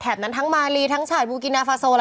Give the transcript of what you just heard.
แถบนั้นทั้งมารีทั้งชาติวูกินพาโซ